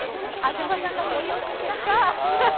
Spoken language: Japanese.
安島さんがごり押ししたか。